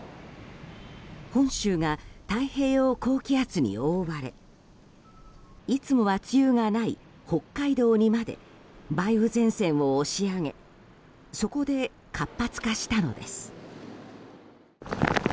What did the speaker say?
本州が太平洋高気圧に覆われいつもは梅雨がない北海道にまで梅雨前線を押し上げそこで活発化したのです。